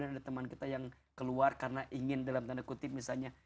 ada teman kita yang keluar karena ingin dalam tanda kutip misalnya